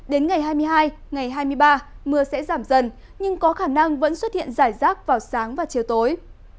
đến ngày hai mươi hai ngày hai mươi ba mưa sẽ giảm dần nhưng có khả năng vẫn xuất hiện rải rác vào sáng và chiều tối